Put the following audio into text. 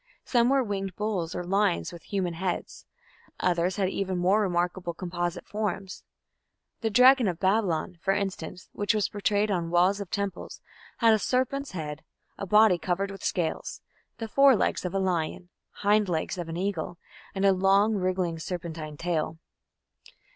Some were winged bulls or lions with human heads; others had even more remarkable composite forms. The "dragon of Babylon", for instance, which was portrayed on walls of temples, had a serpent's head, a body covered with scales, the fore legs of a lion, hind legs of an eagle, and a long wriggling serpentine tail.